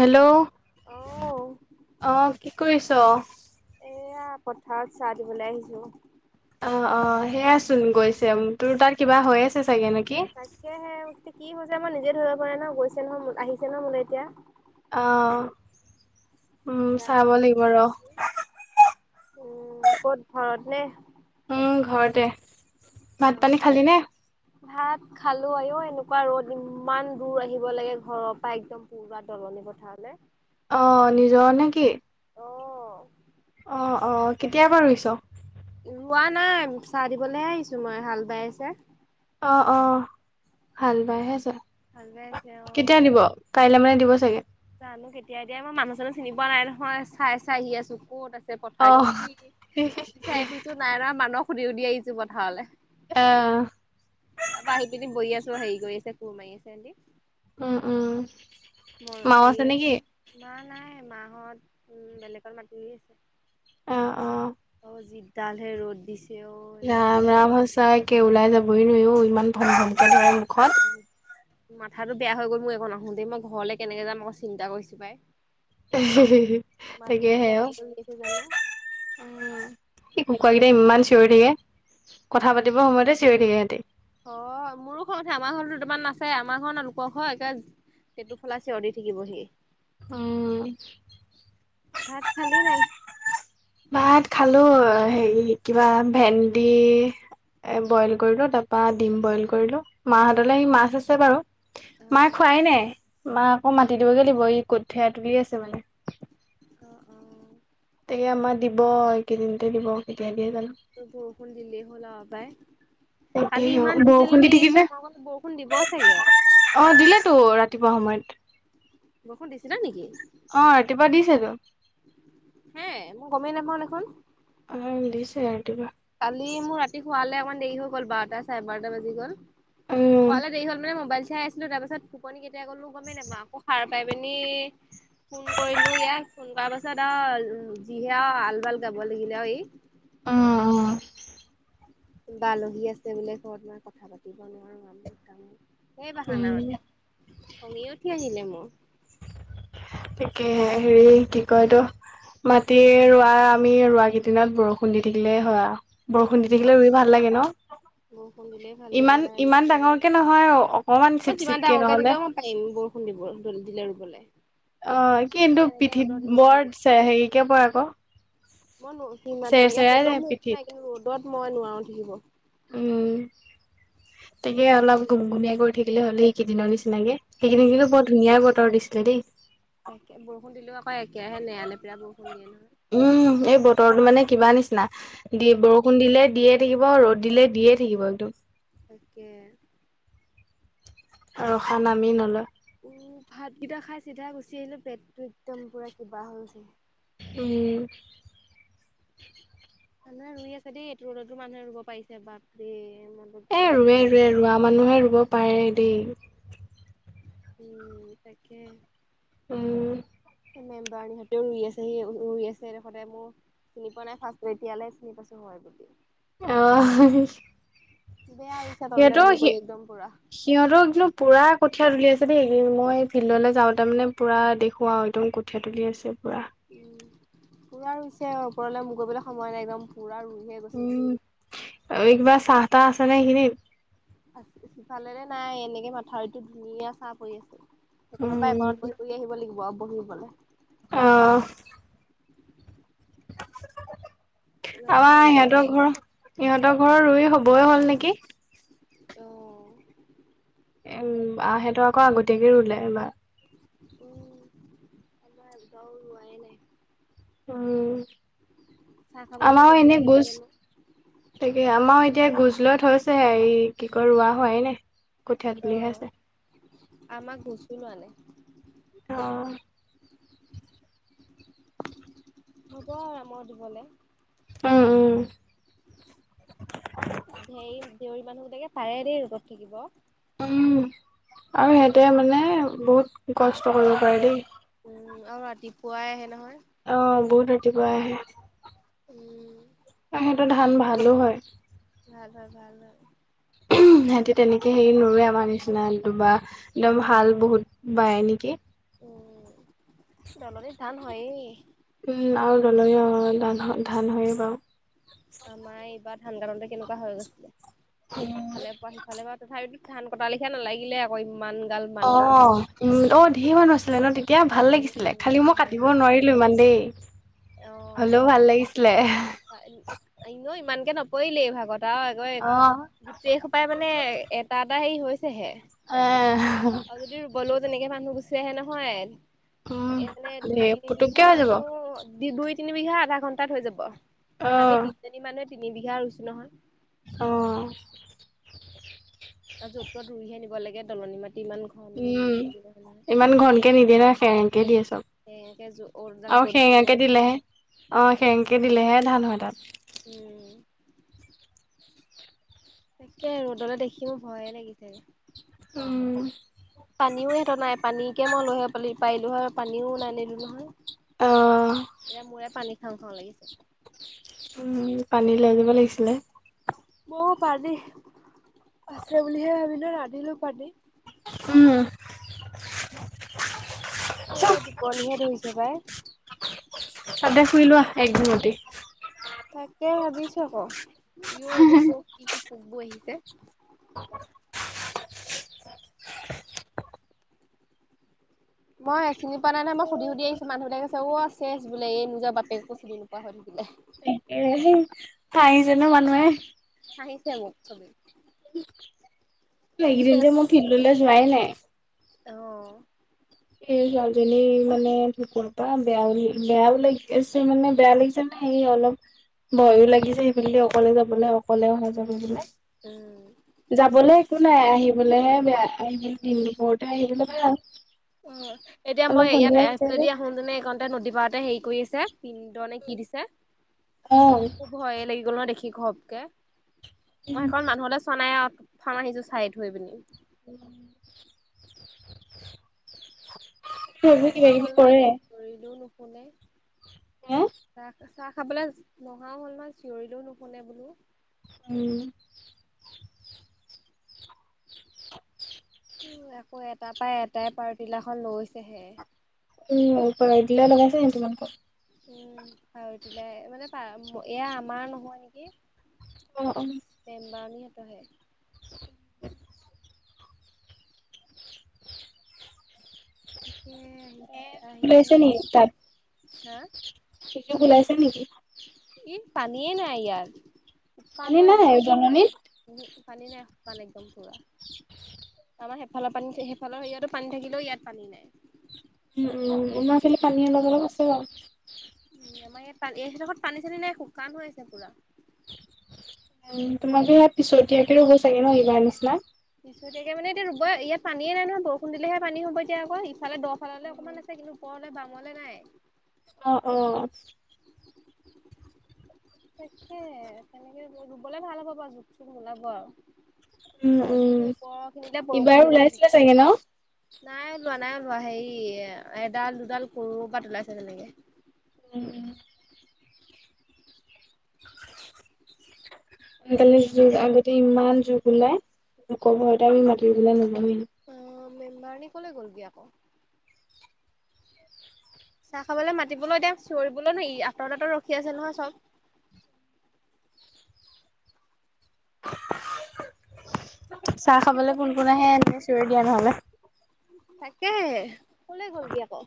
Hello, অ', আহ কি কৰি [inaudible] এয়া পথাৰত চাহ দিবলৈ আহিছো। অ, অ, সেয়াচোন গৈছে, তোৰ তাত কিবা হৈ আছে চাগে নে তাকেহে কি হৈছে মই নিজে ধৰিব পৰা নাই, গৈছে নহয় আহিছে নহয় মোলৈ এতিয়া। অ', উম জানো চাব আকৌ লাগিব ৰ'। উম, ক'ত ঘৰত নে? উম, ঘৰতে, ভাত-পানী খালি নে? ভাত খালো আইয়ো, এনেকুৱা ৰ'দ ইমান দূৰ আহিব লাগে ঘৰৰ পৰা একদম পুৰা তলত। কথা হলে। অ, নিজৰ নেকি? অ', অ, অ, কেতিয়াবা ৰুইছো? ৰোৱা নাই, চাহ দিবলৈহে আহিছো মই, হাল বাইছে। অ, অ', হাল বাই আছে। হাল বাই আছ, অ। কাইলৈ মানে দিব চাগে। জানো কেতিয়া দিয়ে, মই মানুহ-চানুহ চিনি পোৱা নাই নহয়, চাই-চাই আহি আছো কত আ অ পথাৰ কি [unintelligible] বুজিছো নাই ৰ' মানস সুধি-সুধি আহিছো পথাৰলৈ, আহ তাৰপা আহি পিনে বহি আ চ সেই গৈ আছে, [unintelligible] মাৰি আছে উম, উম। ম মাও হেৰি, আছে নেকি মা নাই মাহঁত উ বেলেগত মাটি লৈ আছে। অ অ অ, যিডালহে ৰ'দ দিছে অ মা ৰাম- ৰাম সঁচা একে ওলাই যাবই নোৱাৰি অ' ইমান ঘম ঘমকে ধৰে মুখত। মাথাটো বেয়া হৈ গ'ল মই একন আহো তেই মই ঘৰলে কেনেকে যাম আকৌ চিন্তা কৰিছো পাই। [unintelligible] মাটিনো তাকেহে কেনেকে অ'। ৰুই আছে জানো সেই কুকুৰাকেইটা ইমান চিঞৰি থাকে কথা পাতিবৰ সময়তে চিঞৰি থাকে সিহতি। অ মোৰো খং উঠে আমাৰ ঘৰতো দুটামান আছে আমাৰ ঘৰ নহয় লোকৰ ঘৰে একেবাৰে টেটু ফলা চিঅৰ দি থাকিবহি। উম। ভাত খালি নাই। ভাত খালো হেৰি কিবা ভেন্দি। এ বইল কৰিলো তাৰপা ডিম বইল কৰিলো মাহতলে সেই মাছ আছে বাৰু। অ মাই খোৱাই নাই মা আকৌ মাতি দিবগৈ দিব ই কঠীয়া তুলি আছে মানে। [inaudible] এই আমাৰ দিব এই কেইদিনতে দিব কেতিয়া দিয়ে জানো। বৰষুণ দিলে হ'ল আৰু পাই। তাকে কালি ইমান বৰষুণ বিজুলী দি মাৰি থাকিলে আছে মই [unintelligible] বৰষুণ দিব চাগে। অ', দিলেতো ৰাতিপুৱা সময়ত। বৰষুণ দিছিলে নেকি। অ', ৰাতিপুৱা দিছেতো। হে মই গমেই নাপাওঁ দেখোন। অ', দিছে। ৰাতিপুৱা কালি মোৰ ৰাতি শোৱালে অকমান দেৰি হৈ গ'ল বাৰটা চাৰে বাৰটা বাজি গ'ল। উম। পোৱালে দেৰি হ'ল মানে মোবাইল চাই আছিলো তাৰ পাছত টোপনি কেতিয়া গলো গমে নাপাও, আকৌ সাৰ পাই পিনি ফোন কৰিলো ইয়াক ফোন কৰা পাছত তাৰপিছত আৰু যিহে আল বাল গাব লাগিলে আও ই। উম। কোনবা আলহী আছে বোলে ঘৰত মই কথা পাতিব নোৱাৰো [unintelligible] সেই উম বাহানা উম মানে খঙেই উঠি আহিলে মোৰ। তাকে হেৰি কি কয় এটো। মাটি ৰোৱা আমি ৰোৱা কেইদিনত বৰষুণ দি থাকিলে হয় আও। বৰষুণ দি থাকিলে ৰুই ভাল লাগে ন, বৰষুণ দিলেই ভাল লাগে ইমান- পাই ইমান ডাঙৰকে নহয় আৰু অক মই যিমান ডাঙৰকে দিলেওঁ মই পাৰিম বৰষুণ দিব দিলে ৰুবলে। অ', কিন্তু পিঠিত নোৱাৰো বৰ মই। হেৰিকে পৰে আকৌ। মই সীমা চেৰ তেনেকে চেৰাই পৰিলেও যায় মোৰ একো পিঠিত নাই কিন্তু ৰ'দত মই নোৱাৰো থাকিব। উম, তাকে অলপ ঘুমঘুমীয়া কৰি থাকিলে হ'ল এইকেইদিনৰ নিচিনাকে। সেইখিনি উম কিন্তু বৰ ধুনীয়াই বতৰ দিছিলে দেই। তাকে বৰষুণ দিলেও আকৌ এতিয়া হে নেয়া নেপেৰা বৰষুণ দিয়ে ন। উম, এই বতৰটো মানে কিবা নিচিনা দিয়ে উম বৰষুণ দিলে দিয়ে থাকিব ৰ'দ দিলে দিয়ে থাকিব একদম। [unintelligible] ৰখা নামেই নলয়। উম, ভাতকিটা খাই চিধা গুচি আহিলো পেটটো একদম পুৰা কিবা হৈ যায়। উম। মানুহে ৰুই আছে দেই এইটো ৰ'দতো মানুহে ৰুব পাৰিছে বাপৰে। মনটো এ একদম ৰুৱে-ৰুৱে ৰোৱা মানুহে ৰুব পাৰে দেই। উম, তাকে। উম। মেম্বাৰ [unintelligible] হতেও আছে সি ই আছে খতে মই চিনি পোৱা নাই ফাৰ্ষ্ট এতিয়ালে চিনি পাইছো মই। [inaudible] অ'। বেয়া ৰুইছে তললে মূৰ সিহঁতৰ সি কৰি একদম পুৰা। সিহঁতৰ কিন্তু পুৰা কঠীয়া তুলি আছে দেই মই ফিল্ডলৈ যাওঁতে মানে পুৰা দেখো একদম কঠীয়া তুলি আছে পুৰা। উম'পুৰা ৰুইছে ওপৰলৈ মূৰ কৰিবলৈ সময় নাই। একদম পুৰা ৰুই ধেই গৈছে। আৰু কিবা চাহ তাহ আছেনে এইখিনিত। আছে সিফালৰে নাই এনেকে মাথাউৰিটোত ধুনীয়া চাঁ পৰি আছে। সেইকনৰ পাই উম, একনত পঢ়ি পঢ়ি আহিব লাগিব পঢ়িবলে। অ', নহ'লে আমাৰ দলনিত সিহঁতৰ ঘৰৰ ইহঁতৰ ঘৰৰ ৰুই হ'ব। ৰুব হ'ল নেকি? অ', উম'বা হঁতৰ আকৌ আগতীয়াকে ৰুলে এইবা উম', আমাৰ এদৰাওঁ ৰোৱায়েই নাই। উম'। চাহ খাবলেনো আমাৰও কেতিয়া এনে আহিব গুছ, জানো তাকে আমাৰও এতিয়া গুছ ুলত হৈছেে এই কি ক ৰোৱা হয়োৱাই নে [inaudible] অ আমাক গুচো লোৱানে অ হব আৰামৰ দিবলৈ উম উম ধেৰ দেউৰী মানুহবিলাকে পাৰে দেই ৰোগত থাকিব উম আৰু সিহঁতে মানে বহুত কষ্ট কৰিব পাৰে দেই উম আৰু ৰাতিপুৱাই আহে নহয় অ বহুত ৰাতিপুৱা আহে উম সিহঁতৰ ধান ভালো হয় ভাল হয় ভাল হয় উম সিহঁতি তেনেকৈ হেৰি নোৰুৱে আমাৰ নিচিনাটো বা একদম ভাল বহুত বায় নেকি তলতে ধান হয় তললৈ ধান হয়ে বাৰু আমাৰ এইবাৰ ধান কাটোতে কেনেকুৱা হৈ গৈছিলে ইফালে ধান কটালিখা নালাগিলে আকৌ ইমান গাল অ মানুহ উম ধীৰ মানুহ আছিলে ন তেতিয়া এতিয়া ভাল লাগিছিলে উম খালি মই ভাল কাটিব লাগিল নোৱাৰিলো ইমান দেই হ'লেও ভাল লাগিছিলে ন ইমানকে নপৰিলে এই ভাগত চাওঁ আকোৱে অ। গোটেই খোপাই মানে এটা এটা হেৰি হেইহে এ আৰু যদি ৰুবলৈও তেনেকে মানুহ গুচি হে নহয় এ উম মানে দুই ধেৰ তিনি পুতুককে বিঘা হৈ যাব মানুহ দি দুই তিন বিঘা আধা ঘণ্টাত হৈ যাব কাৰণ আমি অ', তিনিজনী মানুহে তিন বিঘা ৰুইছো নহয় অ তাত য'ত তত ৰুইহে নিব লাগে দলনি মাটি ইমান ঘন উম সুবিধা নহয় ইমান ঘনকে নিদিয়ে না খেৰেনকে দিয়ে চব সকেডাল [unintelligible] ত অহ খেৰেঙকে দিলেহে ধান হয় তাত উম তাকে ৰ'দলে দেখি মো ভয়ে লাগিছে উম পানীও সিহঁত নাই পানীকে মই লৈ আহিবগে পা- পাৰিলো হয় পানীও নাই নিলো নহয় অ খাও খাওঁ লাগিছে উম পানী লৈ যিব লাগিছিলে অ পানী আছে বুলিহে ভাবিলো নানিলো পানী উম অ টোপনিহে ধৰিছে পাই সাদে শুই লোৱা একঘুমুটি। তাকে ভাবিছো আকৌ, ইও এইবোৰ কও কি কি পোকবোৰ আহিছে। [unintelligible] [unintelligible] মই চিনি পোৱা নাই নহয় মই সুধি, সুধি আহিছো মানুহ বিলাকে কৈছে উ অ চেছ বোলে এই নিজৰ বাট একো চিনি নোপোৱা হৈ থাকিলে। হাহিঁচেনে মানুহে। হাঁহিছে মোক চবে। এইকেদিন যে চেচ মো ফিলডলৈ যোৱাই নাই। অ'। এই ছোৱালীজনী মানে ঢুকোৱা পা বেয়াও বেয়াও লাগি আছে মানে বেয়া লাগিছে ম সে অলপ ভয়ো লাগিছে সেইফালেদি অকলে যাবলৈ অকলে অহা যোৱা উম। কৰিবলে। যাবলৈ একো নাই আহিবলৈহে বেয়া আহ দিন দুপৰতে আহিবলৈ ভাল। অ', এতিয়া অলপ মই ইয়াত সন্ধিয়া হৈছে যে এফালেদি আহোনতেনে এইখনতে নদী পাৰতে হেৰি কৰি আছে পিন্দ নে কি দিছে। অ', ভয়ে লাগি গ'ল ন দেখি ঘপকে মই সেই সকল মানুহলৈ চোৱা নাই আও টুফান আহিছো চাই থৈ পিনি উ [unintelligible] নহা হ'ল ন', এতিয়া ধৰিলো নুশুনে। হ'। চাহ চাহ খাবলৈ নহাও হ'ল মান চিঞৰিলেও নুশুনে বোলো। উম। উ আকৌ এটাৰ পৰা এটাই পাৰটিলাখন লৈছেহে। উম ওপই দিলে লগাইছে নে তোমালোকৰ উম আৰুতিলোই মানে, এয়া আমাৰ নহয় নেকি অ', অ', বেম্বাৰ নিহঁতহে তাকে আহি ওলাইছে আহিবলৈ হা সিযুক ওলাইছে নেকি? ই পানীয়ে নাই ইয়াত, শুকান পানী হৈ নাই আহিছে। জননিত পানী নাই শুকান একদম পুৰা। আমাৰ সেইফালৰ পানী সেইফালৰ সয়াতো পানী থাকিলেও ইয়াত পানী নাই। উ, উ, আমাৰ ফালে পানী অলপ অলপ আছে বাৰু। উম আমাৰ ইয়াত এইদখৰত পানী চানী নাই খুব শুকাণ হৈ আছে পুৰা। উ তোমালোকৰ ইয়াত পিছতীয়াকে ৰুব চাগে ন' সিবাৰ নিচিনা। পিছতিয়াকে মানে এতিয়া ইয়াত ৰুবই ইয়াত পানীয়ে নাই নহয় বৰষুণ‌ দিলেহে পানী হ'ব এতিয়া আকৌ, ইফাল দ'ফাললে অকমান আছে কিন্তু উপৰলৈ বামলে নাই। অ', অ'। তাকে তেনেকে ৰুবলে ভাল হ'ব বাৰু জোক চোক নোলাব আৰু। উম উম, ওপৰৰ খিনিলে বৰষুণ ইবাৰ দিব লাগিব। ওলাইছিলে চাগে ন'। নাই ওলোৱা নাই ওলোৱা, হেৰি এডাল দুডাল ক'ৰবাত ওলাইছে তেনেকে। উম উ। আজি কালি জোক আগতে ইমান জোক ওলাই জোকৰ ভয়তে আমি মাতিৰুবলে নাযাওঁ। মেমবাৰণী ক'লৈ গ'লগে আকৌ। চাহ খাবলৈ মাতিবলৈ এতিয়া চিঞৰিবলৈ ন ই আঁতৰ আতৰ ৰখি আছে নহয় চব। চাহ তাকে খাবলৈ ক'ত কোন কোন মাতিছে আহে জানো এনে চিঞৰি দিয়া নহ'লে। তাকেহে ক'লে গলগে আকৌ।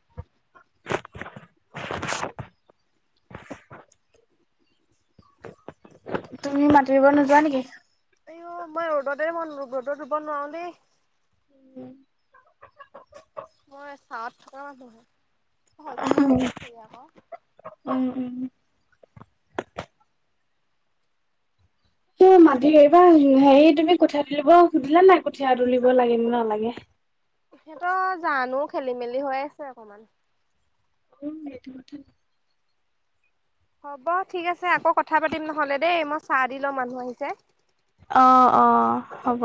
তুমি মাতিব নোযোৱা নেকি? আই অ', মই ৰ'দতে মন ৰ'দত ৰুব নোৱাৰো দেই। উম। মই চাৱত থকা মানুহ হে, সৈফালে ৰুই আছে ই আকৌ। উম উম। উম। মাটি এইবা হেৰি তুমি কঁঠিয়া তুলিব সুধিলা নাই কঠীয়া তুলিব লাগেন নালাগে? সিহঁতৰ জানো খেলি মেলি হৈ আছে অকমান। অ', সেইটো কথা নি। হ'ব ঠিক আছে আকৌ কথা পাতিম নহ'লে দেই মই চাহ দি লওঁ মানুহ আহিছে। অ', অ', হ'ব।